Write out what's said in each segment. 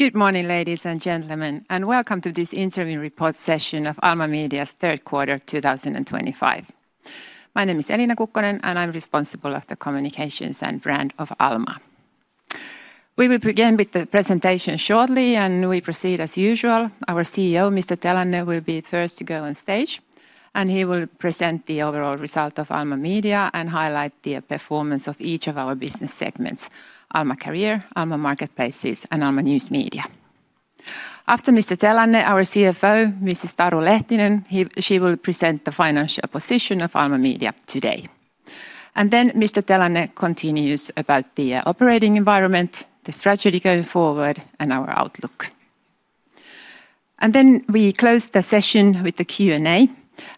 Good morning, ladies and gentlemen, and welcome to this interview report session of Alma Media's third quarter 2025. My name is Elina Kukkonen, and I'm responsible for the Communications and Brand of Alma. We will begin with the presentation shortly, and we proceed as usual. Our CEO, Mr. Kai Telanne, will be the first to go on stage, and he will present the overall result of Alma Media and highlight the performance of each of our business segments: Alma Career, Alma Marketplaces, and Alma News Media. After Mr. Telanne, our CFO, Mrs. Taru Lehtinen, will present the financial position of Alma Media today. Mr. Telanne continues about the operating environment, the strategy going forward, and our outlook. We close the session with the Q&A,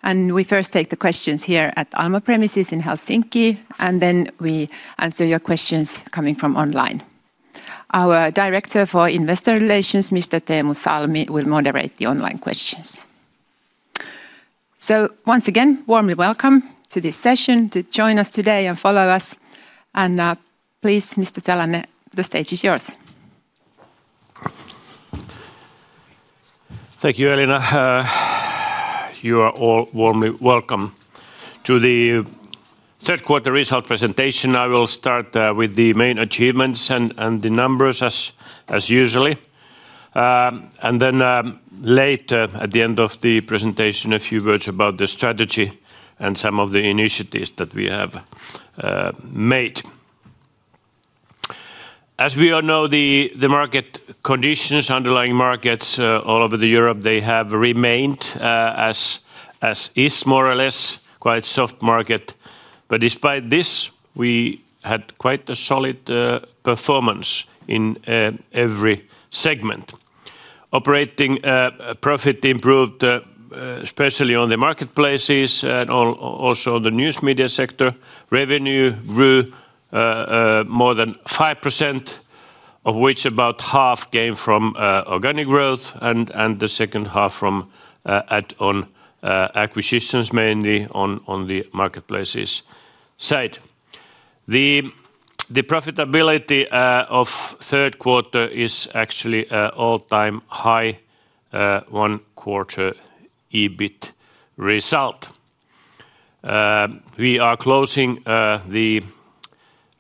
and we first take the questions here at Alma premises in Helsinki, and then we answer your questions coming from online. Our Director for Investor Relations, Mr. Teemu Salmi, will moderate the online questions. Once again, warmly welcome to this session to join us today and follow us. Please, Mr. Telanne, the stage is yours. Thank you, Elina. You are all warmly welcome to the third quarter result presentation. I will start with the main achievements and the numbers as usual. Later at the end of the presentation, a few words about the strategy and some of the initiatives that we have made. As we all know, the market conditions, underlying markets all over Europe, they have remained as is, more or less quite a soft market. Despite this, we had quite a solid performance in every segment. Operating profit improved, especially on the Marketplaces and also the News Media sector. Revenue grew more than 5%, of which about half came from organic growth and the second half from add-on acquisitions, mainly on the Marketplaces side. The profitability of the third quarter is actually all-time high. One quarter EBIT result. We are closing the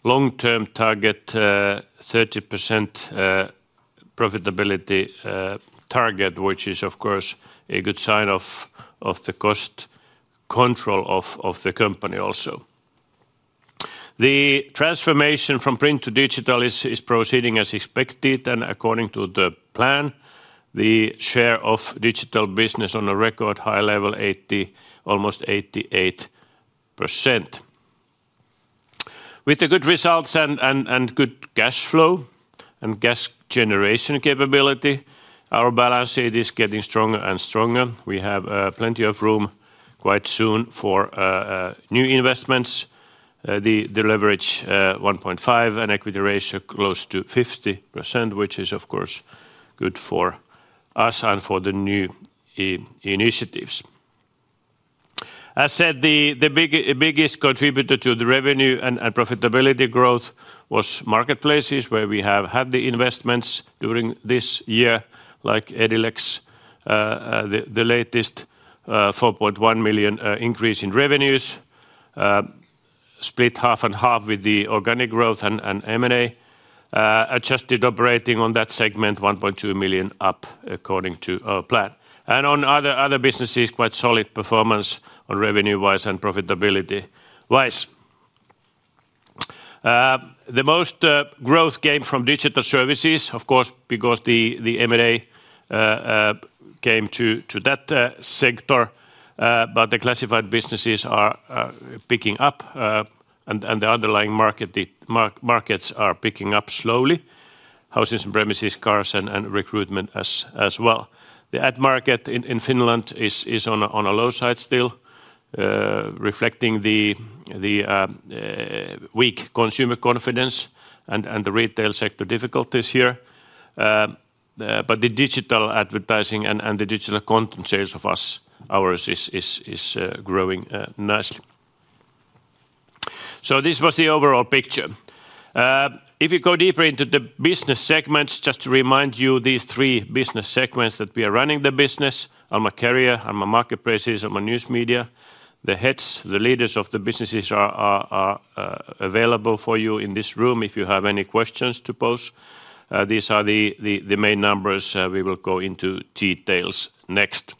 long-term target, 30% profitability target, which is, of course, a good sign of the cost control of the company also. The transformation from print to digital is proceeding as expected, and according to the plan, the share of digital business on a record high level, almost 88%. With the good results and good cash flow and cash generation capability, our balance sheet is getting stronger and stronger. We have plenty of room quite soon for new investments. The leverage is 1.5 and equity ratio close to 50%, which is, of course, good for us and for the new initiatives. As said, the biggest contributor to the revenue and profitability growth was Marketplaces, where we have had the investments during this year, like Edilex. The latest 4.1 million increase in revenues split 50/50 with the organic growth and M&A. Adjusted operating on that segment, 1.2 million up according to our plan. On other businesses, quite solid performance on revenue-wise and profitability-wise. The most growth came from digital services, of course, because the M&A came to that sector. The classified businesses are picking up, and the underlying markets are picking up slowly: housing and premises, cars, and recruitment as well. The ad market in Finland is on a low side still, reflecting the weak consumer confidence and the retail sector difficulties here. The digital advertising and the digital content sales of ours is growing nicely. This was the overall picture. If you go deeper into the business segments, just to remind you, these three business segments that we are running the business: Alma Career, Alma Marketplaces, Alma News Media. The heads, the leaders of the businesses are available for you in this room if you have any questions to pose. These are the main numbers. We will go into details next.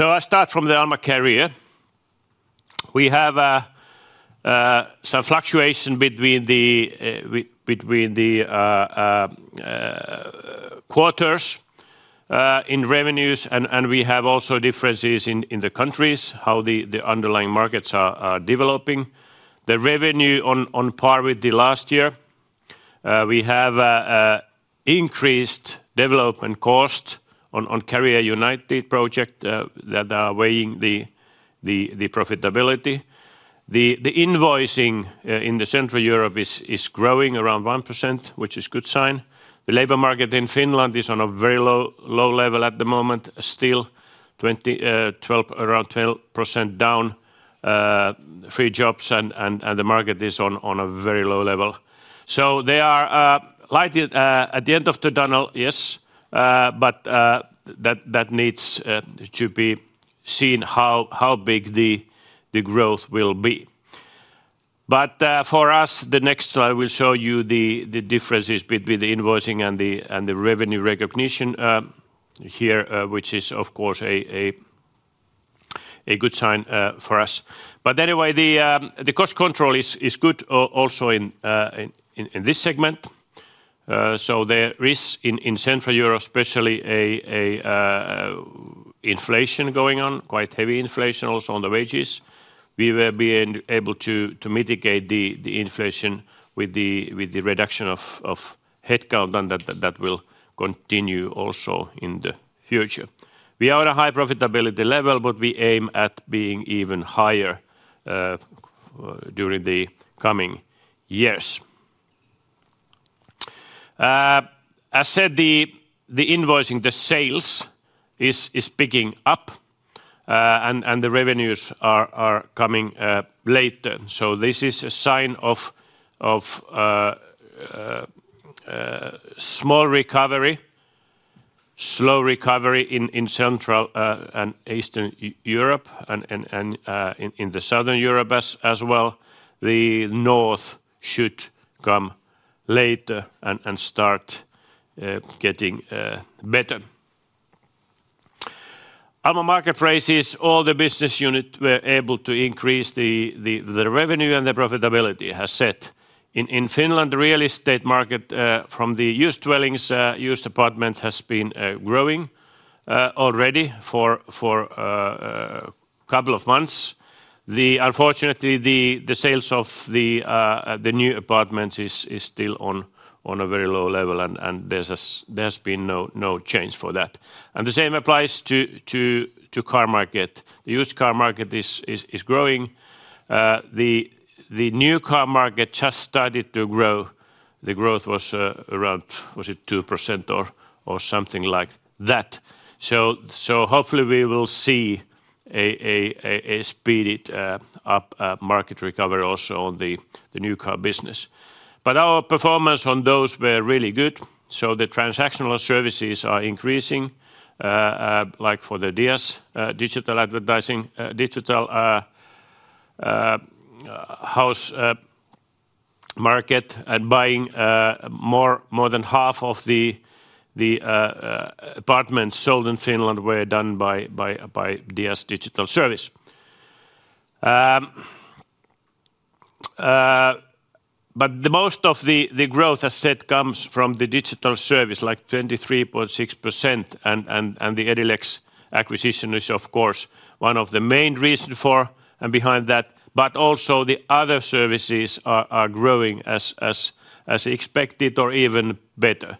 I start from the Alma Career. We have some fluctuation between the quarters in revenues, and we have also differences in the countries, how the underlying markets are developing. The revenue on par with the last year. We have increased development costs on Career United project that are weighing the profitability. The invoicing in Central Europe is growing around 1%, which is a good sign. The labor market in Finland is on a very low level at the moment, still around 12% down. Free jobs, and the market is on a very low level. There are light at the end of the tunnel, yes, but that needs to be seen how big the growth will be. For us, the next slide will show you the differences between the invoicing and the revenue recognition. Here, which is, of course, a good sign for us. Anyway, the cost control is good also in this segment. There is, in Central Europe especially, an inflation going on, quite heavy inflation also on the wages. We will be able to mitigate the inflation with the reduction of headcount, and that will continue also in the future. We are at a high profitability level, but we aim at being even higher during the coming years. As said, the invoicing, the sales, is picking up, and the revenues are coming later. This is a sign of small recovery, slow recovery in Central and Eastern Europe, and in the Southern Europe as well. The North should come later and start getting better. Alma Marketplaces, all the business units were able to increase the revenue and the profitability, as said. In Finland, the real estate market from the used dwellings, used apartments has been growing already for a couple of months. Unfortunately, the sales of the new apartments is still on a very low level, and there has been no change for that. The same applies to the car market. The used car market is growing. The new car market just started to grow. The growth was around, was it 2% or something like that. Hopefully we will see a speeded up market recovery also on the new car business. Our performance on those were really good. The transactional services are increasing. Like for the DIAS digital house market and buying, more than half of the apartments sold in Finland were done by DIAS digital service. Most of the growth, as said, comes from the digital service, like 23.6%. The Edilex acquisition is, of course, one of the main reasons for and behind that. Also, the other services are growing as expected or even better.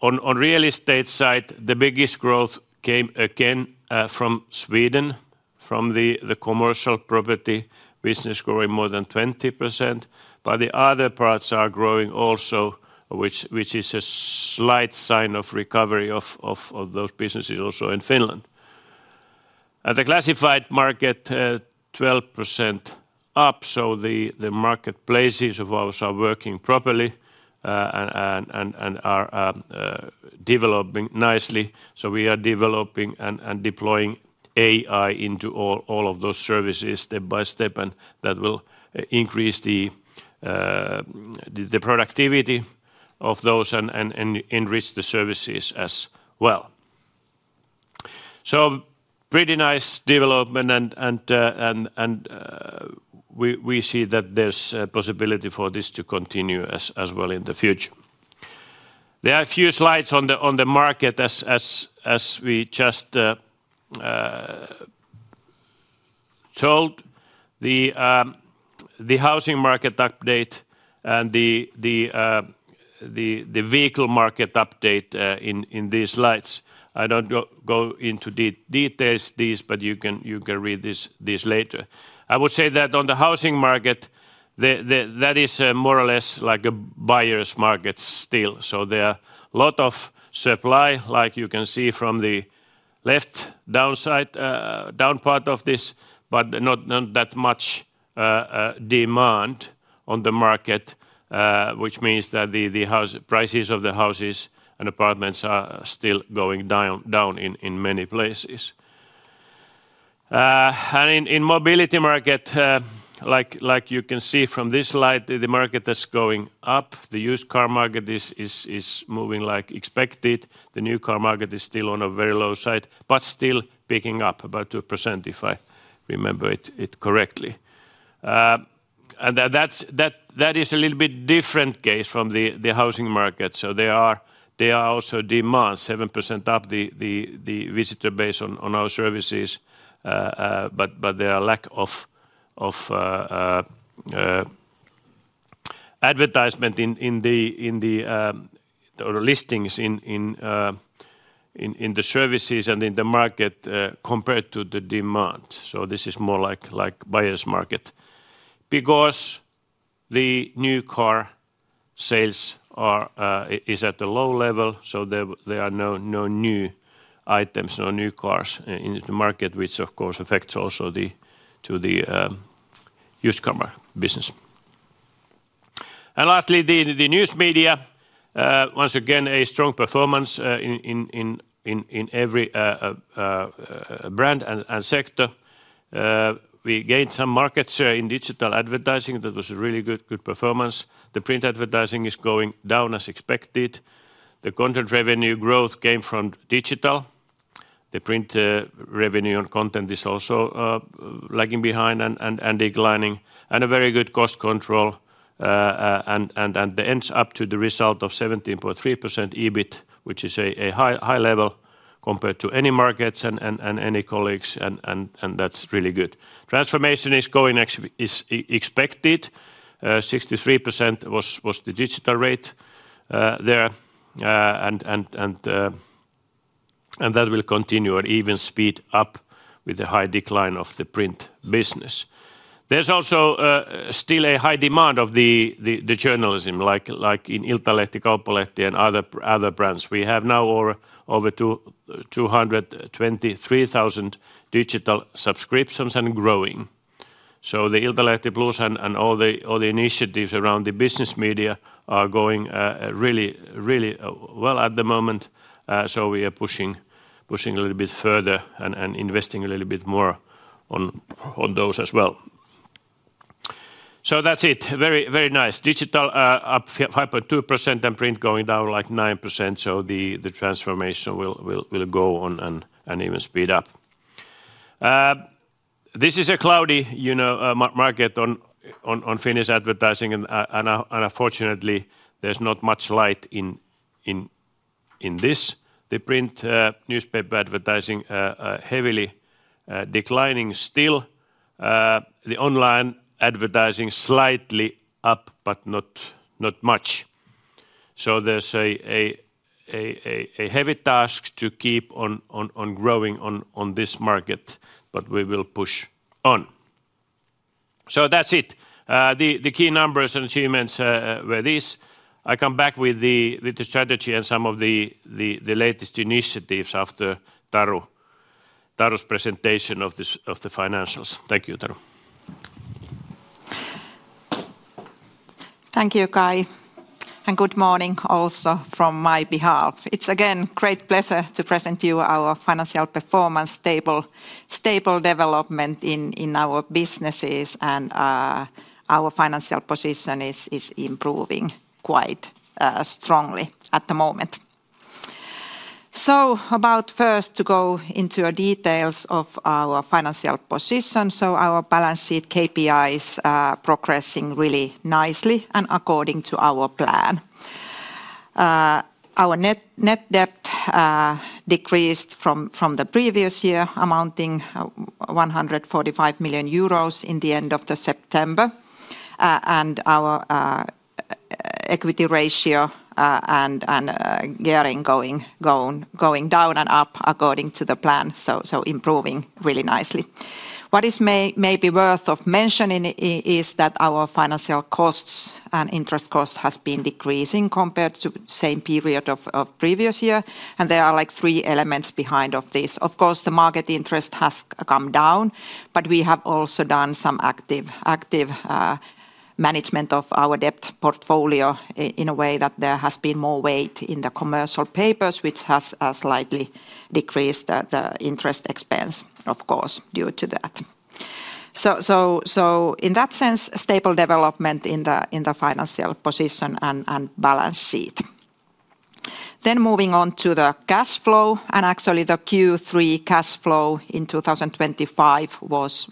On the real estate side, the biggest growth came again from Sweden, from the commercial property business growing more than 20%. The other parts are growing also, which is a slight sign of recovery of those businesses also in Finland. At the classified market, 12% up, so the Marketplaces of ours are working properly and are developing nicely. We are developing and deploying AI into all of those services step by step, and that will increase the productivity of those and enrich the services as well. Pretty nice development, and we see that there's a possibility for this to continue as well in the future. There are a few slides on the market as we just told. The housing market update and the vehicle market update in these slides. I don't go into details these, but you can read this later. I would say that on the housing market, that is more or less like a buyer's market still. There are a lot of supply, like you can see from the left down part of this, but not that much demand on the market, which means that the prices of the houses and apartments are still going down in many places. In the mobility market, like you can see from this slide, the market is going up. The used car market is moving like expected. The new car market is still on a very low side, but still picking up about 2%, if I remember it correctly. That is a little bit different case from the housing market. There are also demands, 7% up the visitor base on our services. There are lack of advertisement in the listings in the services and in the market compared to the demand. This is more like a buyer's market because the new car sales is at a low level, so there are no new items, no new cars in the market, which of course affects also the used car business. Lastly, the News Media. Once again, a strong performance in every brand and sector. We gained some market share in digital advertising. That was a really good performance. The print advertising is going down as expected. The content revenue growth came from digital. The print revenue and content is also. Lagging behind and declining. Very good cost control ends up to the result of 17.3% EBIT, which is a high level compared to any markets and any colleagues, and that's really good. Transformation is going as expected. 63% was the digital rate there. That will continue and even speed up with the high decline of the print business. There's also still a high demand for the journalism, like in Iltalehti, Kauppalehti, and other brands. We have now over 223,000 digital subscriptions and growing. The Iltalehti Plus and all the initiatives around the business media are going really, really well at the moment. We are pushing a little bit further and investing a little bit more on those as well. That's it. Very nice. Digital up 5.2% and print going down like 9%. The transformation will go on and even speed up. This is a cloudy market on Finnish advertising, and unfortunately, there's not much light in this. The print newspaper advertising is heavily declining still. The online advertising is slightly up, but not much. There's a heavy task to keep on growing on this market, but we will push on. That's it. The key numbers and achievements were these. I come back with the strategy and some of the latest initiatives after Taru's presentation of the financials. Thank you, Taru. Thank you, Kai. Good morning also from my behalf. It's again a great pleasure to present to you our financial performance, stable development in our businesses, and our financial position is improving quite strongly at the moment. First, to go into the details of our financial position. Our balance sheet KPIs are progressing really nicely and according to our plan. Our net debt decreased from the previous year, amounting to 145 million euros at the end of September. Our equity ratio and gearing going down and up according to the plan, so improving really nicely. What is maybe worth mentioning is that our financial costs and interest costs have been decreasing compared to the same period of the previous year. There are like three elements behind this. Of course, the market interest has come down, but we have also done some active management of our debt portfolio in a way that there has been more weight in the commercial papers, which has slightly decreased the interest expense, of course, due to that. In that sense, stable development in the financial position and balance sheet. Moving on to the cash flow, the Q3 cash flow in 2025 was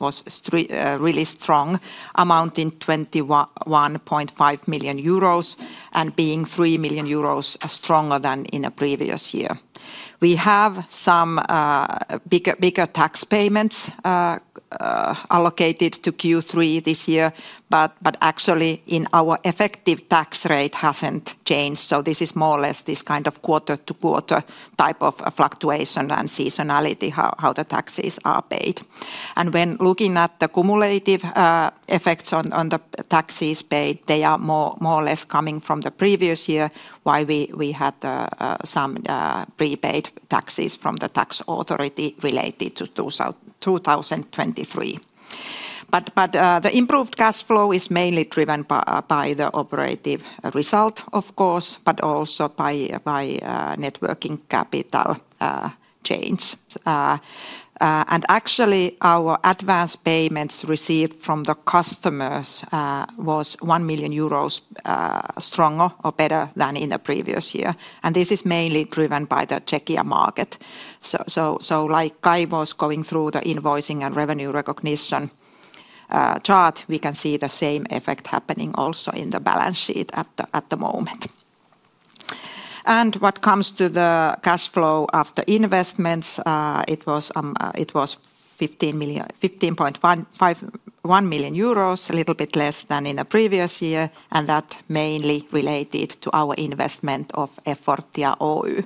really strong, amounting to 21.5 million euros and being 3 million euros stronger than in the previous year. We have some bigger tax payments allocated to Q3 this year, but actually our effective tax rate hasn't changed. This is more or less this kind of quarter-to-quarter type of fluctuation and seasonality, how the taxes are paid. When looking at the cumulative effects on the taxes paid, they are more or less coming from the previous year, why we had some prepaid taxes from the tax authority related to 2023. The improved cash flow is mainly driven by the operative result, of course, but also by networking capital change. Our advance payments received from the customers was 1 million euros stronger or better than in the previous year. This is mainly driven by the Czech market. Like Kai was going through the invoicing and revenue recognition chart, we can see the same effect happening also in the balance sheet at the moment. What comes to the cash flow after investments, it was 15.1 million euros, a little bit less than in the previous year, and that mainly related to our investment of Effortia Oy.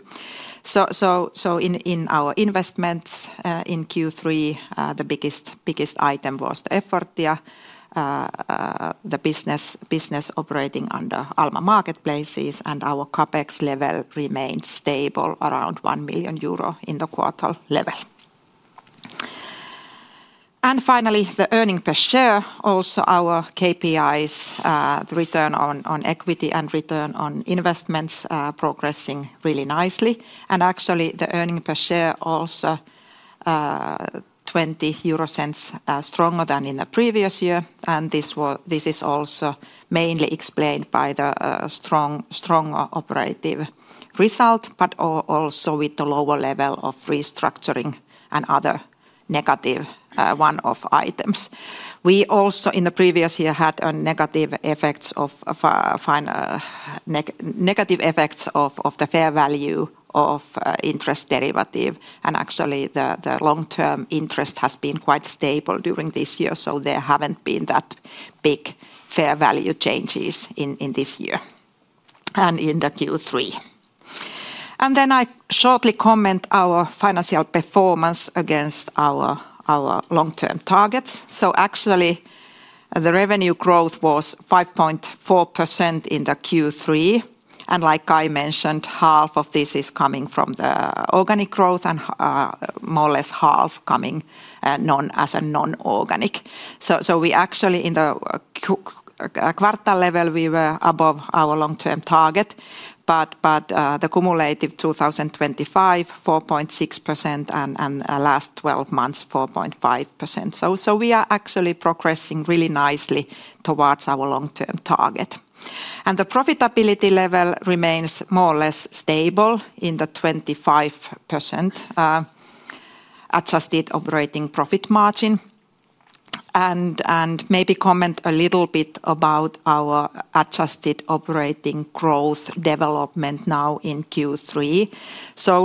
In our investments in Q3, the biggest item was Effortia, the business operating under Alma Marketplaces, and our CapEx level remained stable around 1 million euro in the quarter level. Finally, the earnings per share, also our KPIs, the return on equity and return on investments progressing really nicely. Actually, the earnings per share also EUR 0.20 stronger than in the previous year. This is also mainly explained by the strong operative result, but also with the lower level of restructuring and other negative one-off items. We also in the previous year had negative effects of the fair value of interest derivative. Actually, the long-term interest has been quite stable during this year, so there haven't been that big fair value changes in this year and in Q3. I will shortly comment on our financial performance against our long-term targets. Actually, the revenue growth was 5.4% in Q3. Like I mentioned, half of this is coming from the organic growth and more or less half coming as a non-organic. We actually in the quartile level, we were above our long-term target, but the cumulative 2025, 4.6%, and last 12 months, 4.5%. We are actually progressing really nicely towards our long-term target, and the profitability level remains more or less stable in the 25% adjusted operating profit margin. Maybe comment a little bit about our adjusted operating growth development now in Q3.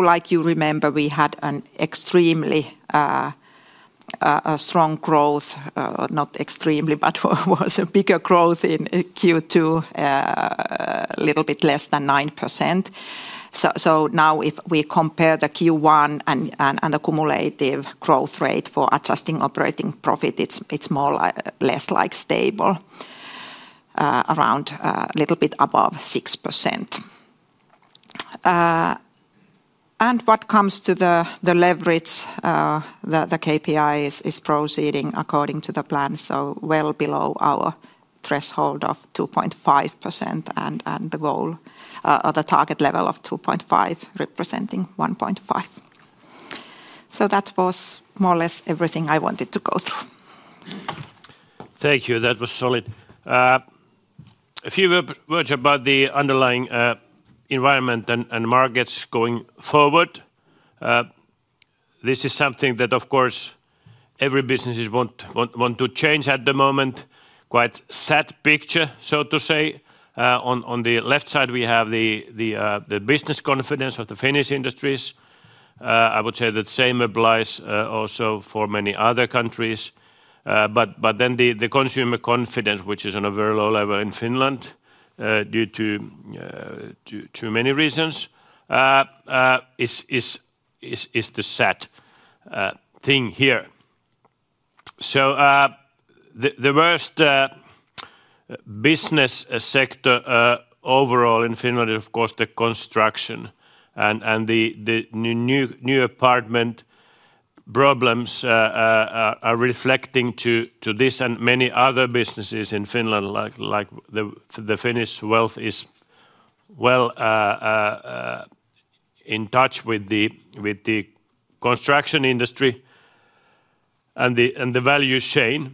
Like you remember, we had an extremely strong growth, not extremely, but was a bigger growth in Q2, a little bit less than 9%. Now if we compare the Q1 and the cumulative growth rate for adjusted operating profit, it's more or less like stable, around a little bit above 6%. What comes to the leverage, the KPI is proceeding according to the plan, so well below our threshold of 2.5% and the goal of the target level of 2.5% representing 1.5%. That was more or less everything I wanted to go through. Thank you. That was solid. A few words about the underlying environment and markets going forward. This is something that, of course, every business wants to change at the moment. Quite a sad picture, so to say. On the left side, we have the business confidence of the Finnish industries. I would say that same applies also for many other countries. The consumer confidence, which is on a very low level in Finland due to too many reasons, is the sad thing here. The worst business sector overall in Finland is, of course, the construction, and the new apartment problems are reflecting to this and many other businesses in Finland, like the Finnish wealth is in touch with the construction industry and the value chain.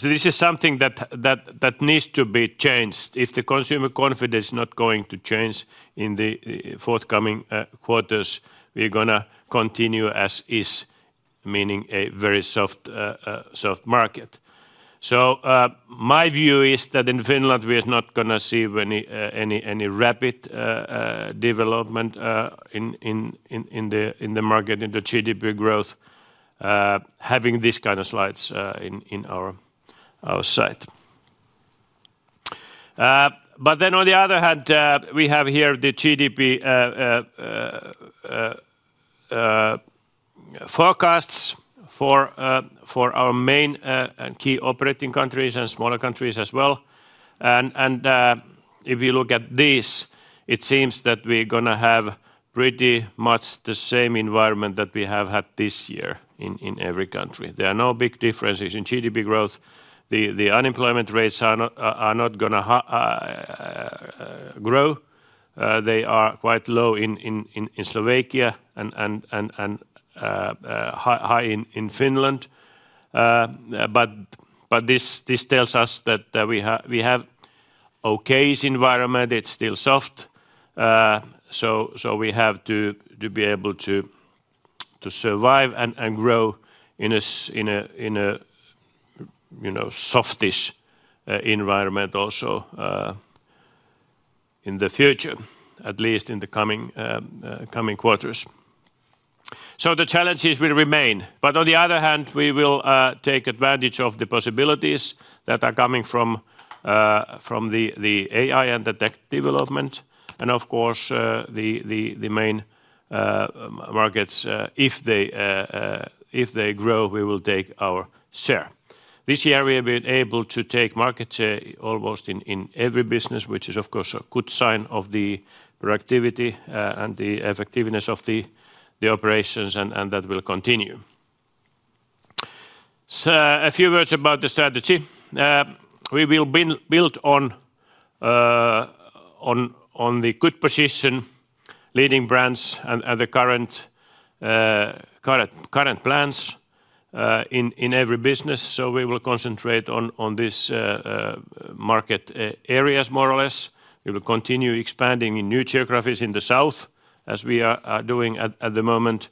This is something that needs to be changed. If the consumer confidence is not going to change in the forthcoming quarters, we're going to continue as is, meaning a very soft market. My view is that in Finland we are not going to see any rapid development in the market, in the GDP growth, having these kind of slides in our site. On the other hand, we have here the GDP forecasts for our main key operating countries and smaller countries as well. If we look at this, it seems that we're going to have pretty much the same environment that we have had this year in every country. There are no big differences in GDP growth. The unemployment rates are not going to grow. They are quite low in Slovakia and high in Finland. This tells us that we have an okay environment. It's still soft, so we have to be able to survive and grow in a softish environment also in the future, at least in the coming quarters. The challenges will remain. On the other hand, we will take advantage of the possibilities that are coming from the AI and the tech development. Of course, the main markets, if they grow, we will take our share. This year we have been able to take market share almost in every business, which is a good sign of the productivity and the effectiveness of the operations, and that will continue. A few words about the strategy. We will build on the good position, leading brands, and the current plans in every business. We will concentrate on these market areas more or less. We will continue expanding in new geographies in the south as we are doing at the moment.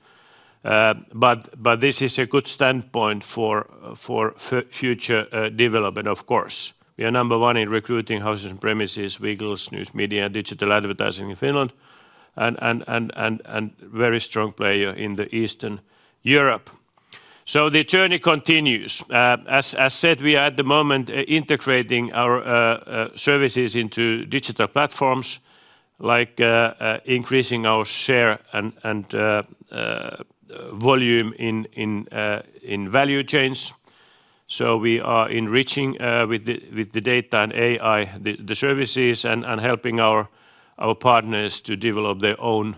This is a good standpoint for future development, of course. We are number one in recruiting, houses and premises, vehicles, news media, and digital advertising in Finland. A very strong player in the Eastern Europe. The journey continues. As said, we are at the moment integrating our services into digital platforms, like increasing our share and volume in value chains. We are enriching with the data and AI the services and helping our partners to develop their own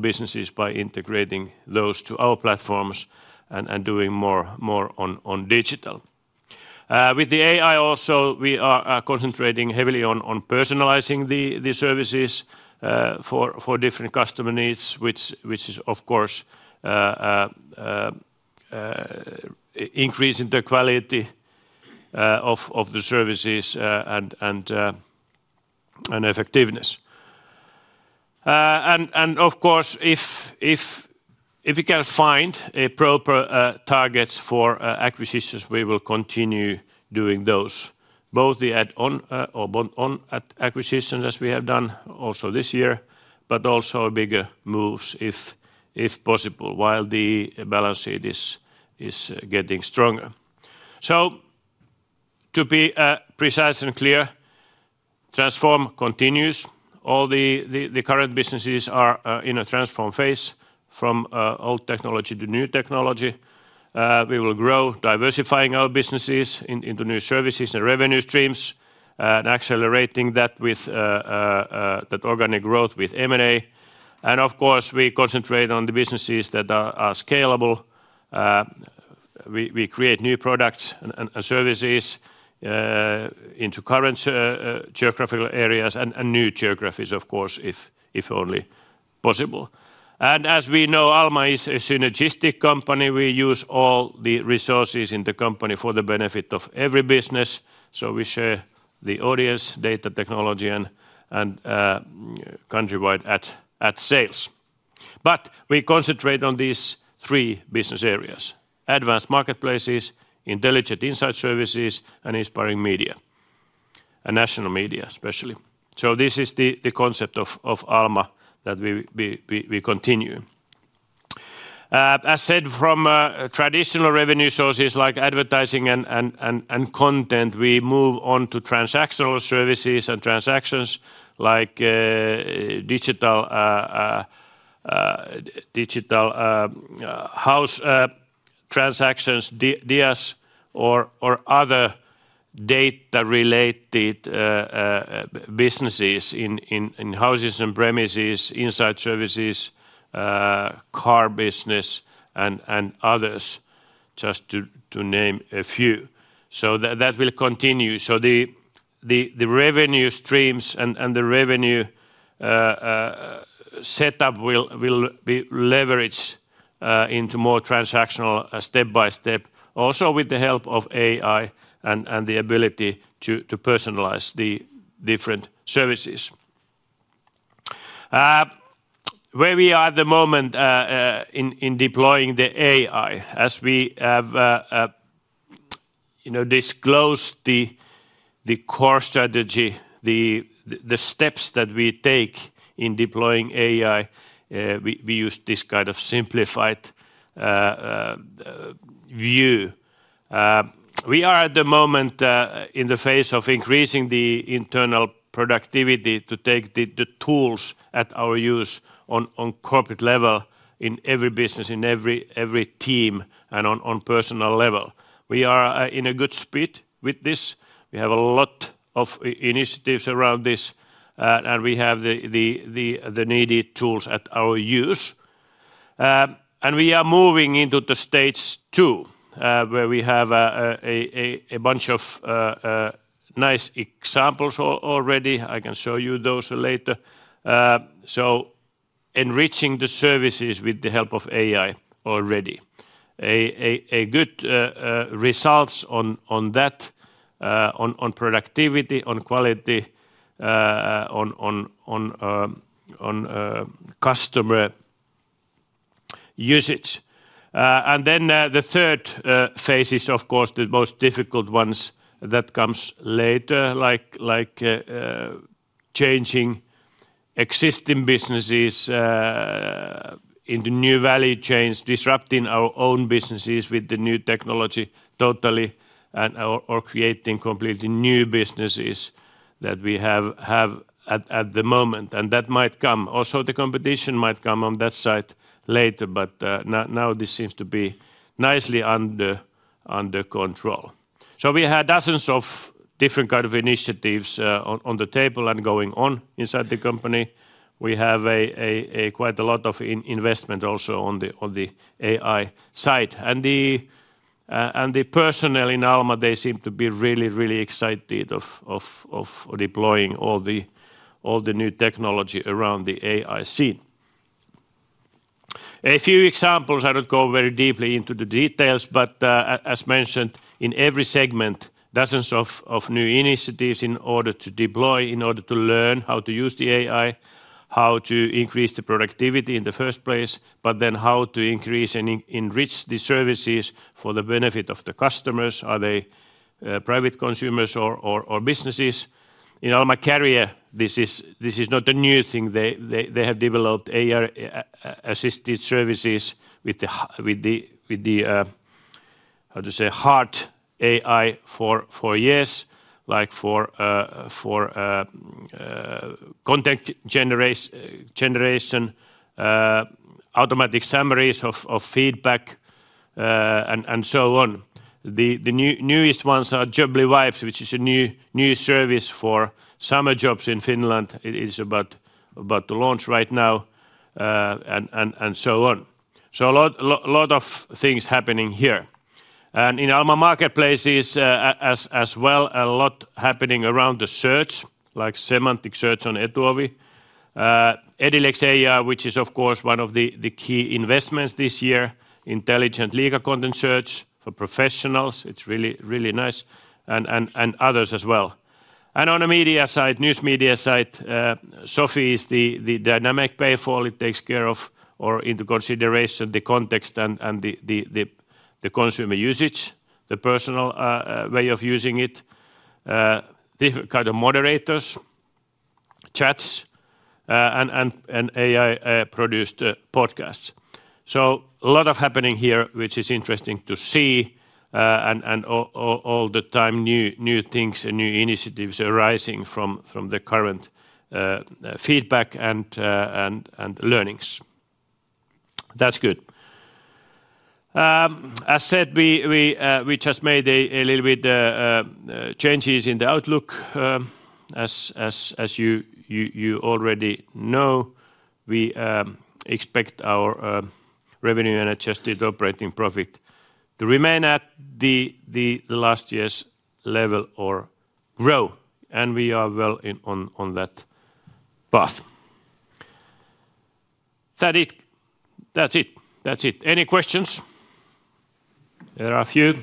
businesses by integrating those to our platforms and doing more on digital. With the AI also, we are concentrating heavily on personalizing the services for different customer needs, which is increasing the quality of the services and effectiveness. If we can find proper targets for acquisitions, we will continue doing those, both the add-on or bond-on acquisitions as we have done also this year, but also bigger moves if possible while the balance sheet is getting stronger. To be precise and clear, transform continues. All the current businesses are in a transform phase from old technology to new technology. We will grow, diversifying our businesses into new services and revenue streams and accelerating that with that organic growth with M&A. We concentrate on the businesses that are scalable. We create new products and services into current geographical areas and new geographies, of course, if only possible. As we know, Alma is a synergistic company. We use all the resources in the company for the benefit of every business. We share the audience, data, technology, and countrywide ad sales. We concentrate on these three business areas: advanced marketplaces, intelligent insight services, and inspiring media and national media especially. This is the concept of Alma that we continue. As said, from traditional revenue sources like advertising and content, we move on to transactional services and transactions like digital house transactions, DIAS, or other data-related businesses in houses and premises, insight services, car business, and others, just to name a few. That will continue. The revenue streams and the revenue setup will be leveraged into more transactional step by step, also with the help of AI and the ability to personalize the different services. Where we are at the moment in deploying the AI, as we have disclosed the core strategy, the steps that we take in deploying AI, we use this kind of simplified view. We are at the moment in the phase of increasing the internal productivity to take the tools at our use on corporate level in every business, in every team, and on personal level. We are in a good split with this. We have a lot of initiatives around this, and we have the needed tools at our use. We are moving into the stage two where we have a bunch of nice examples already. I can show you those later. Enriching the services with the help of AI already, good results on that, on productivity, on quality, on customer usage. The third phase is, of course, the most difficult one that comes later, like changing existing businesses into new value chains, disrupting our own businesses with the new technology totally, or creating completely new businesses that we have at the moment. That might come. Also, the competition might come on that side later, but now this seems to be nicely under control. We have dozens of different kinds of initiatives on the table and going on inside the company. We have quite a lot of investment also on the AI side. The personnel in Alma, they seem to be really, really excited of deploying all the new technology around the AI scene. A few examples, I don't go very deeply into the details, but as mentioned, in every segment, dozens of new initiatives in order to deploy, in order to learn how to use the AI, how to increase the productivity in the first place, but then how to increase and enrich the services for the benefit of the customers, are they private consumers or businesses. In Alma Career, this is not a new thing. They have developed assisted services with the, how to say, hard AI for years, like for content generation, automatic summaries of feedback, and so on. The newest ones are Jobly Vibes, which is a new service for summer jobs in Finland. It is about to launch right now. A lot of things happening here in Alma Marketplaces as well. A lot happening around the search, like semantic search on Etuovi. Edilex AI, which is of course one of the key investments this year, intelligent legal content search for professionals. It's really nice. Others as well. On the media side, News Media side, Sophi is the dynamic paywall. It takes care of or into consideration the context and the consumer usage, the personal way of using it. Different kinds of moderators, chats, and AI-produced podcasts. A lot of happening here, which is interesting to see. All the time new things and new initiatives arising from the current feedback and learnings. That's good. As said, we just made a little bit changes in the outlook. As you already know, we expect our revenue and adjusted operating profit to remain at last year's level or grow. We are well on that path. That's it. Any questions? There are a few.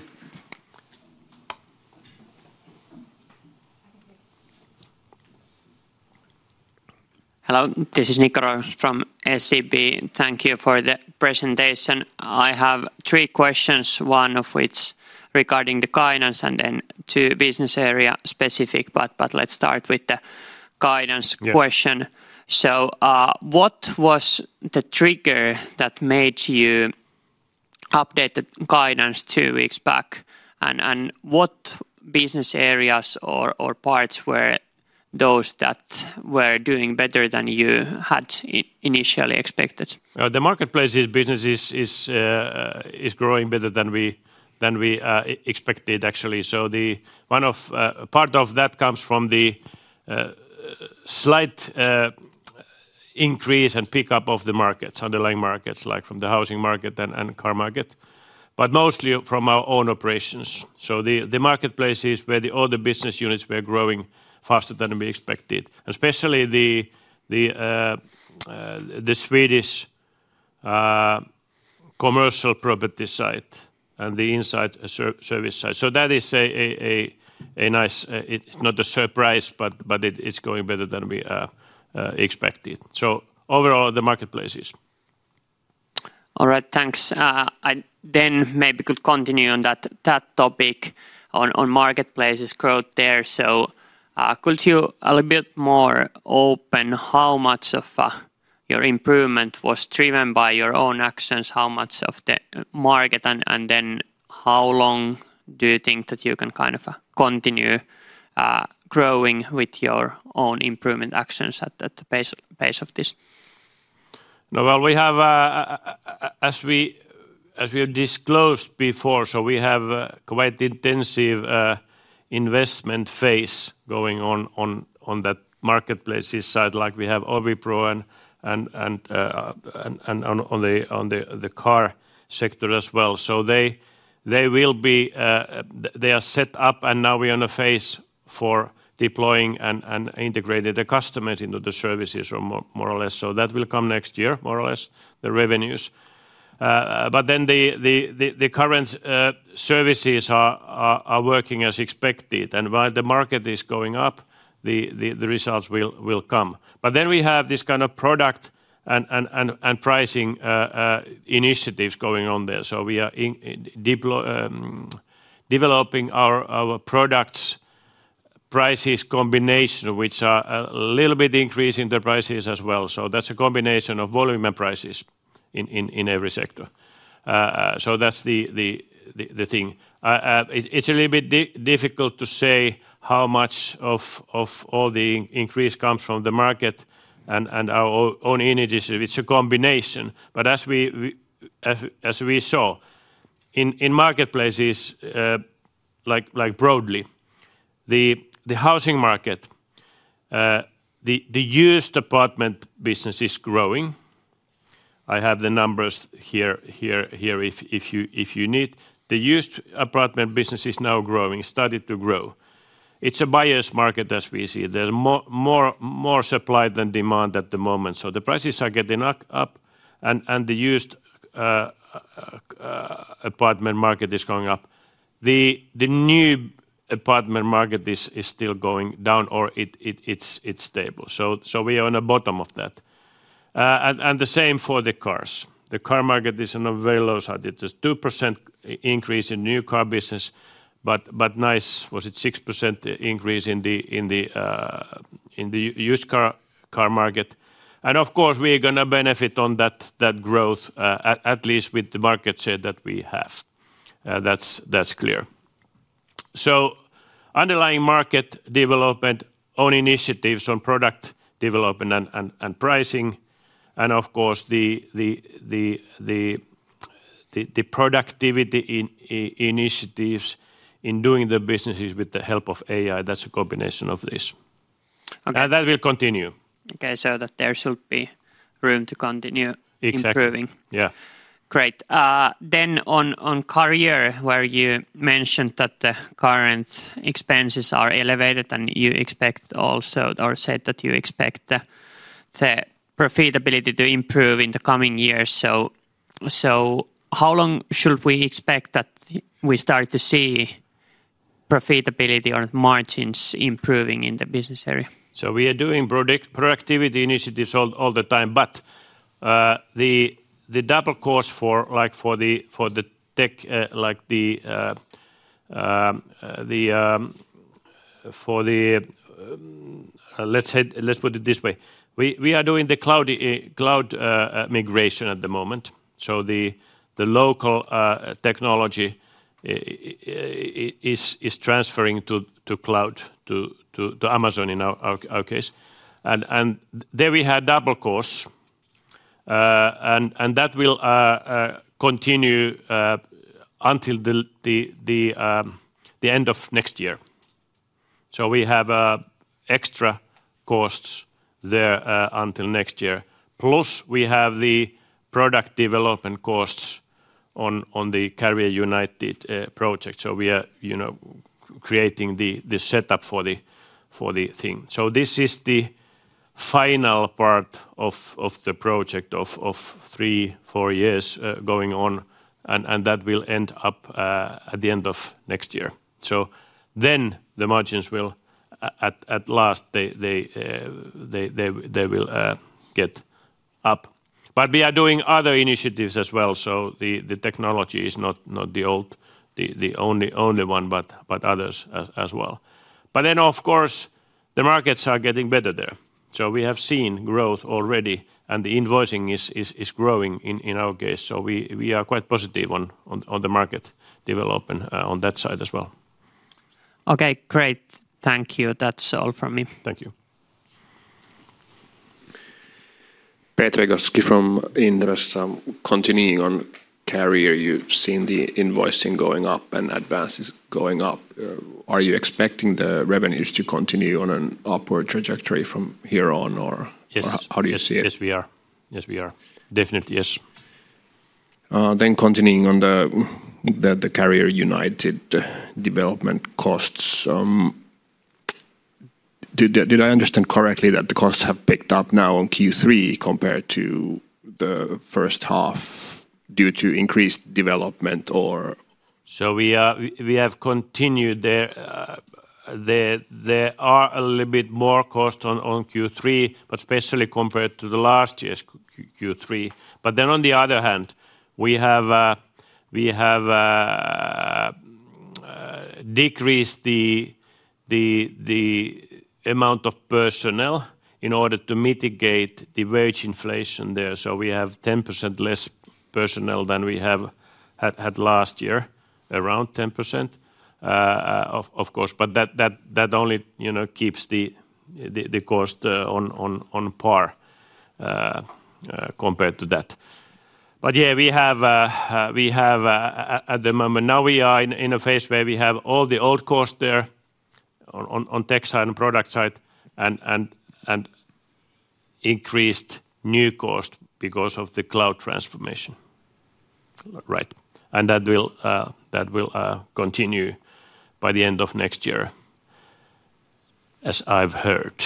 Hello, this is Nikola from SCB. Thank you for the presentation. I have three questions, one of which regarding the guidance and then two business area specific, but let's start with the guidance question. What was the trigger that made you update the guidance two weeks back? What business areas or parts were those that were doing better than you had initially expected? The marketplace business is growing better than we expected, actually. Part of that comes from the slight increase and pickup of the markets, underlying markets, like from the housing market and car market, but mostly from our own operations. The marketplaces where all the business units were growing faster than we expected, especially the Swedish commercial property side and the inside service side. That is a nice, it's not a surprise, but it's going better than we expected. Overall, the marketplaces. All right, thanks. I then maybe could continue on that topic on Marketplace's growth there. Could you a little bit more open how much of your improvement was driven by your own actions, how much of the market, and then how long do you think that you can kind of continue growing with your own improvement actions at the pace of this? As we have disclosed before, we have quite intensive investment phase going on. That marketplaces side, like we have OviPro and. On the car sector as well. They are set up, and now we are in a phase for deploying and integrating the customers into the services more or less. That will come next year, more or less, the revenues. The current services are working as expected, and while the market is going up, the results will come. We have this kind of product and pricing initiatives going on there. We are developing our products, prices combination, which are a little bit increasing the prices as well. That's a combination of volume and prices in every sector. It's a little bit difficult to say how much of all the increase comes from the market and our own initiatives. It's a combination. As we saw in marketplaces, like broadly, the housing market, the used apartment business is growing. I have the numbers here if you need. The used apartment business is now growing, started to grow. It's a biased market as we see. There's more supply than demand at the moment. The prices are getting up and the used apartment market is going up. The new apartment market is still going down or it's stable. We are on the bottom of that. The same for the cars. The car market is on a very low side. It's a 2% increase in new car business, but nice, was it 6% increase in the used car market. Of course, we are going to benefit on that growth, at least with the market share that we have. That's clear. Underlying market development, own initiatives on product development and pricing, and of course the productivity initiatives in doing the businesses with the help of AI, that's a combination of this. That will continue. Okay, so there should be room to continue improving. Exactly. Yeah. Great. Then on Career, where you mentioned that the current expenses are elevated and you expect also, or said that you expect the profitability to improve in the coming years. How long should we expect that we start to see profitability or margins improving in the business area? We are doing productivity initiatives all the time, but the double cost for the tech, like the, let's put it this way. We are doing the cloud migration at the moment. The local technology is transferring to cloud, to Amazon Web Services in our case. There we have double costs. That will continue until the end of next year. We have extra costs there until next year. Plus we have the product development costs on the Career United project. We are creating the setup for the thing. This is the final part of the project of three, four years going on, and that will end up at the end of next year. The margins will, at last, get up. We are doing other initiatives as well. The technology is not the only one, but others as well. Of course, the markets are getting better there. We have seen growth already, and the invoicing is growing in our case. We are quite positive on the market development on that side as well. Okay, great. Thank you. That's all from me. Thank you. Petri Gostowski from Inderes. Continuing on Career, you've seen the invoicing going up and advances going up. Are you expecting the revenues to continue on an upward trajectory from here on, or how do you see it? Yes, we are. Yes, we are. Definitely, yes. Continuing on the Career United development costs. Did I understand correctly that the costs have picked up now on Q3 compared to the first half due to increased development, or? We have continued there. There are a little bit more costs on Q3, but especially compared to last year's Q3. On the other hand, we have decreased the amount of personnel in order to mitigate the wage inflation there. We have 10% less personnel than we had last year, around 10%. Of course, that only keeps the cost on par compared to that. At the moment, now we are in a phase where we have all the old costs there on tech side and product side, and increased new costs because of the cloud transformation. That will continue by the end of next year, as I've heard,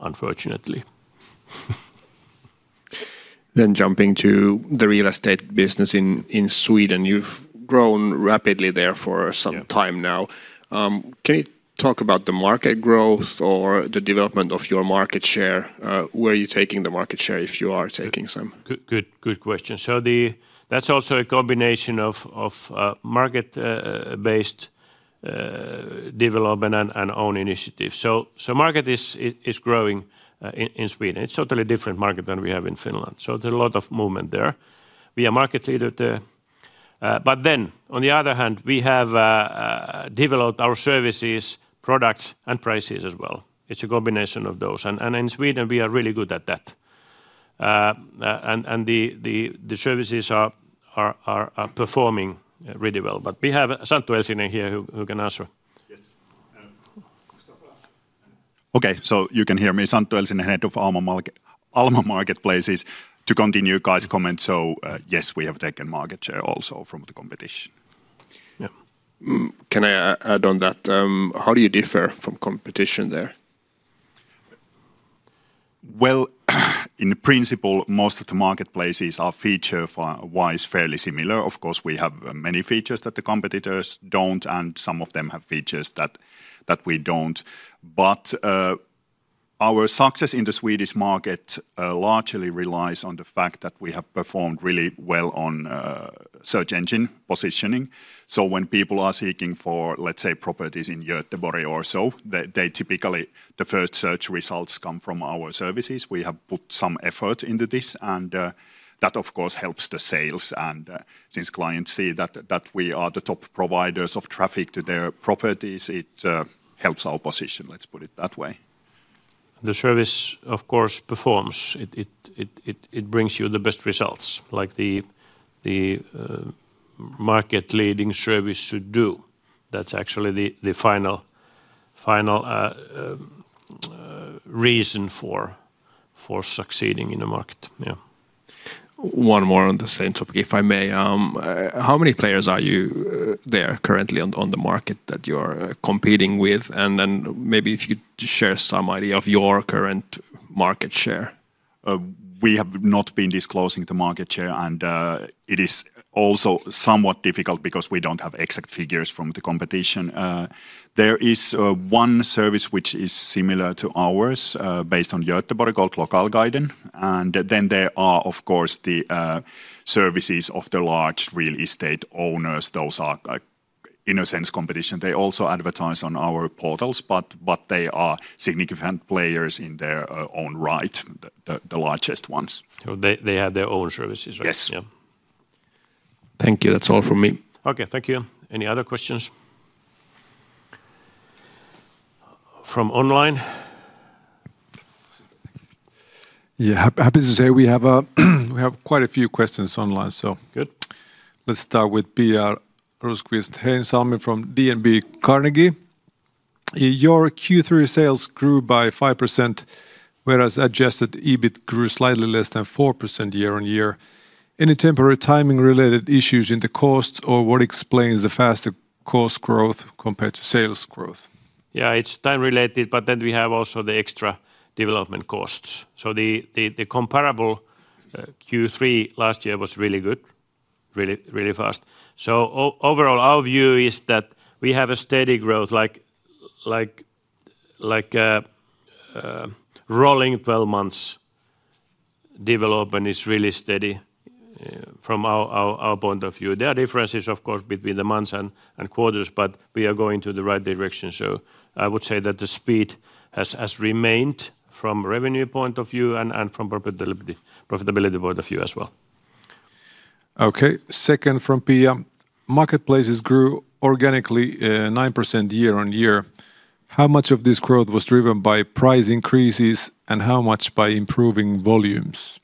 unfortunately. Jumping to the real estate business in Sweden, you've grown rapidly there for some time now. Can you talk about the market growth or the development of your market share? Where are you taking the market share if you are taking some? Good question. That's also a combination of market-based development and own initiatives. The market is growing in Sweden. It's a totally different market than we have in Finland. There's a lot of movement there. We are market leader there. On the other hand, we have developed our services, products, and prices as well. It's a combination of those. In Sweden, we are really good at that. The services are performing really well. We have Santtu Elsinen here who can answer. Yes. Okay, so you can hear me. Santtu Elsinen, Head of Alma Marketplaces, to continue Kai's comment. Yes, we have taken market share also from the competition. Can I add on that? How do you differ from competition there? In principle, most of the marketplaces are feature-wise fairly similar. Of course, we have many features that the competitors don't, and some of them have features that we don't. Our success in the Swedish market largely relies on the fact that we have performed really well on search engine positioning. When people are seeking for, let's say, properties in Göteborg or so, typically, the first search results come from our services. We have put some effort into this, and that, of course, helps the sales. Since clients see that we are the top providers of traffic to their properties, it helps our position, let's put it that way. The service, of course, performs. It brings you the best results, like the market-leading service should do. That's actually the final reason for succeeding in the market. Yeah. One more on the same topic, if I may. How many players are you there currently on the market that you're competing with? Maybe if you could share some idea of your current market share. We have not been disclosing the market share, and it is also somewhat difficult because we don't have exact figures from the competition. There is one service which is similar to ours based on Göteborg, called Local Guiden. There are, of course, the services of the large real estate owners. Those are, in a sense, competition. They also advertise on our portals, but they are significant players in their own right, the largest ones. They have their own services, right? Yes. Yeah. Thank you. That's all from me. Okay, thank you. Any other questions? From online? Yeah, happy to say we have quite a few questions online, so. Good. Let's start with Pia Rosqvist-Heinsalmi from DNB Carnegie. Your Q3 sales grew by 5%. Whereas adjusted EBIT grew slightly less than 4% year-on-year. Any temporary timing-related issues in the costs, or what explains the faster cost growth compared to sales growth? Yeah, it's time-related, but then we have also the extra development costs. The comparable Q3 last year was really good, really fast. Overall, our view is that we have a steady growth, like rolling 12 months. Development is really steady from our point of view. There are differences, of course, between the months and quarters, but we are going in the right direction. I would say that the speed has remained from a revenue point of view and from a profitability point of view as well. Second from Pia. Marketplaces grew organically 9% year-on-year. How much of this growth was driven by price increases and how much by improving volumes?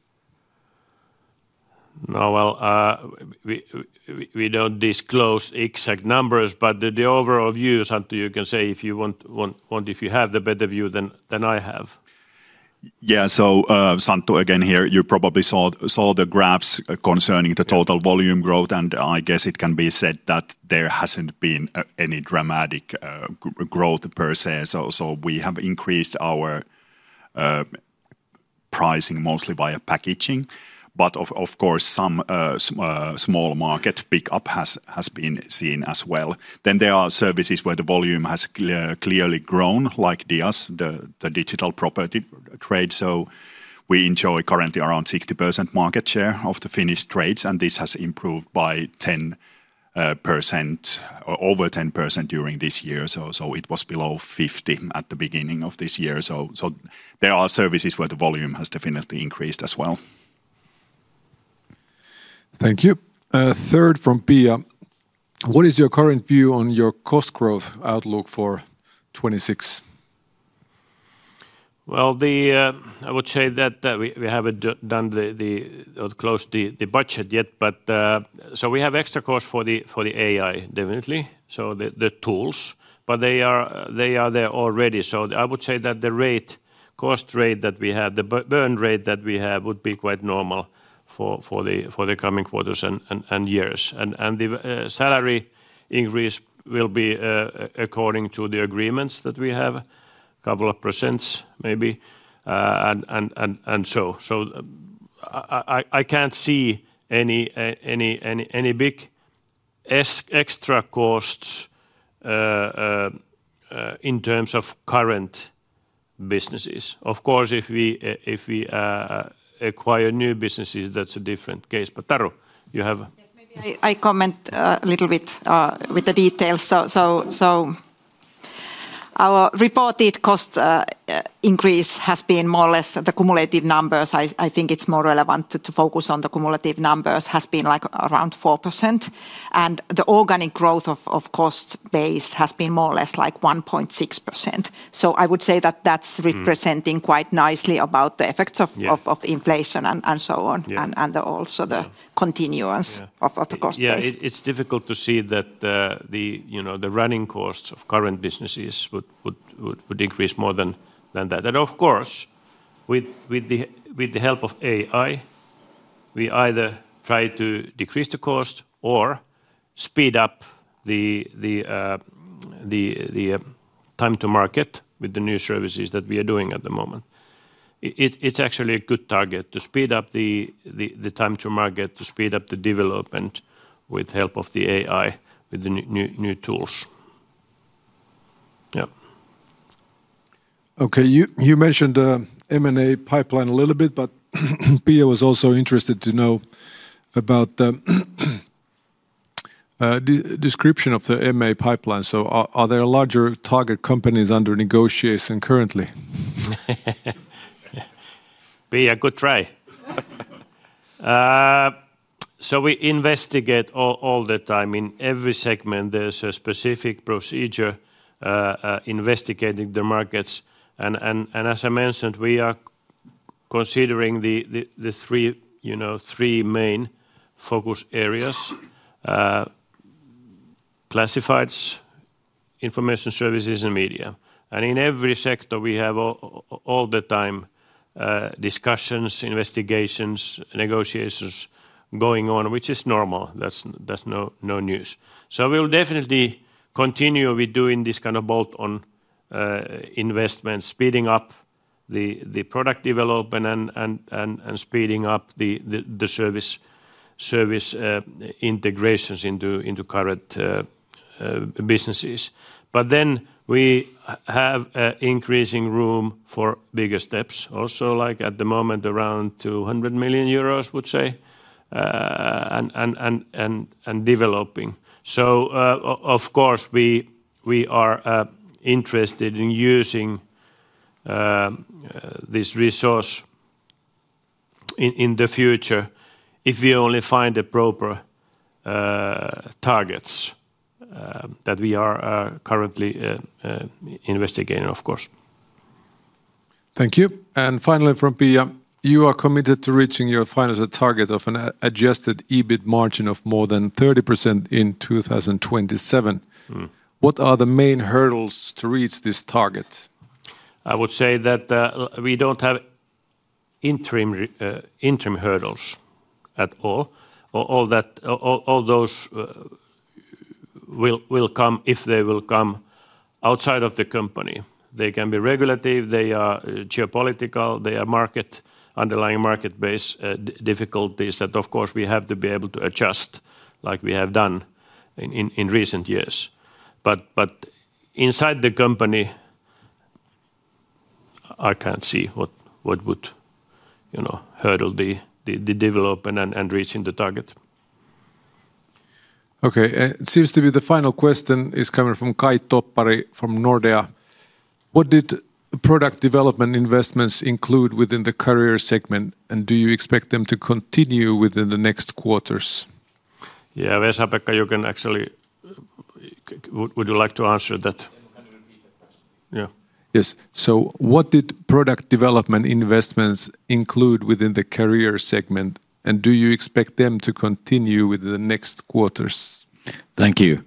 We don't disclose exact numbers, but the overall view, Santtu, you can say if you want, if you have the better view than I have. Yeah, so Santtu again here, you probably saw the graphs concerning the total volume growth, and I guess it can be said that there hasn't been any dramatic growth per se. We have increased our pricing mostly via packaging, but of course, some small market pickup has been seen as well. There are services where the volume has clearly grown, like DIAS, the digital property trade. We enjoy currently around 60% market share of the Finnish trades, and this has improved by 10%. Over 10% during this year. It was below 50% at the beginning of this year. There are services where the volume has definitely increased as well. Thank you. Third from Pia. What is your current view on your cost growth outlook for 2026? I would say that we haven't done the close to the budget yet, but we have extra costs for the AI, definitely. The tools, but they are there already. I would say that the cost rate that we have, the burn rate that we have, would be quite normal for the coming quarters and years. The salary increase will be according to the agreements that we have, a couple of percents maybe. I can't see any big extra costs in terms of current businesses. Of course, if we acquire new businesses, that's a different case. Taru, you have? Yes, maybe I comment a little bit with the details. Our reported cost increase has been more or less the cumulative numbers. I think it's more relevant to focus on the cumulative numbers, has been like around 4%. The organic growth of cost base has been more or less like 1.6%. I would say that that's representing quite nicely about the effects of inflation and so on, and also the continuance of the cost base. It's difficult to see that the running costs of current businesses would increase more than that. Of course, with the help of AI, we either try to decrease the cost or speed up the time to market with the new services that we are doing at the moment. It's actually a good target to speed up the time to market, to speed up the development with help of the AI, with the new tools. Yeah. Okay, you mentioned the M&A pipeline a little bit, but Pia was also interested to know about the description of the M&A pipeline. Are there larger target companies under negotiation currently? Pia, good try. We investigate all the time. In every segment, there's a specific procedure investigating the markets. As I mentioned, we are considering the three main focus areas: classifieds, information services, and media. In every sector, we have all the time discussions, investigations, negotiations going on, which is normal. That's no news. We will definitely continue with doing this kind of bolt-on investments, speeding up the product development and speeding up the service integrations into current businesses. We have increasing room for bigger steps, also like at the moment around 200 million euros, I would say, and developing. Of course, we are interested in using this resource in the future if we only find the proper targets that we are currently investigating, of course. Thank you. Finally from Pia, you are committed to reaching your financial target of an adjusted EBIT margin of more than 30% in 2027. What are the main hurdles to reach this target? I would say that we don't have interim hurdles at all. All those will come, if they will come, outside of the company. They can be regulative, they are geopolitical, they are underlying market-based difficulties that, of course, we have to be able to adjust like we have done in recent years. Inside the company, I can't see what would hurdle the development and reaching the target. Okay, it seems to be the final question is coming from Caj Toppari from Nordea. What did product development investments include within the Career segment, and do you expect them to continue within the next quarters? Yeah, Vesa-Pekka, you can actually. Would you like to answer that? Yeah. Yes. What did product development investments include within the Career segment, and do you expect them to continue within the next quarters? Thank you.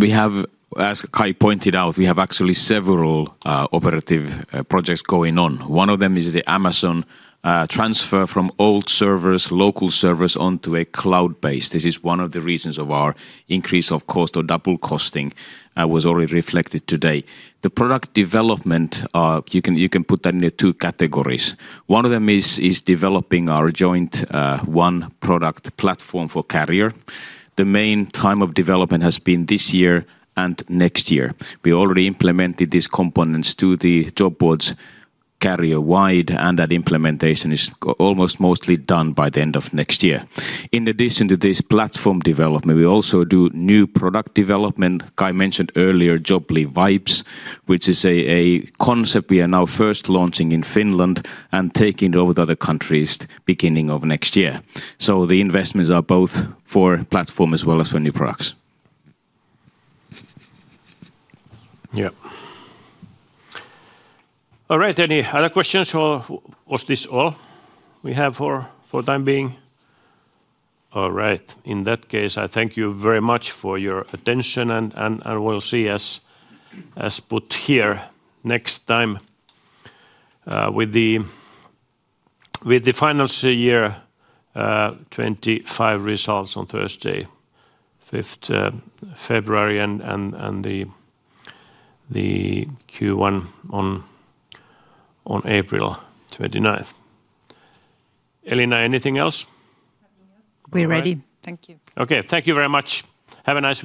We have, as Kai pointed out, actually several operative projects going on. One of them is the Amazon Web Services transfer from old servers, local servers, onto a cloud-based. This is one of the reasons of our increase of cost or double costing that was already reflected today. The product development, you can put that into two categories. One of them is developing our joint one product platform for Career. The main time of development has been this year and next year. We already implemented these components to the job boards Career-wide, and that implementation is almost mostly done by the end of next year. In addition to this platform development, we also do new product development. Kai mentioned earlier Jobly Vibes, which is a concept we are now first launching in Finland and taking over to other countries beginning of next year. The investments are both for platform as well as for new products. All right, any other questions? Was this all we have for the time being? All right, in that case, I thank you very much for your attention, and we'll see us next time with the final year 2025 results on Thursday, February 5, and the Q1 on April 29. Elina, anything else? We're ready. Thank you. Okay, thank you very much. Have a nice.